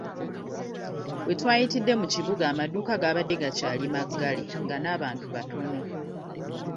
We twayitidde mu kibuga amaduuka gaabadde gakyali maggale nga n'abantu batono